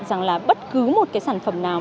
rằng là bất cứ một sản phẩm nào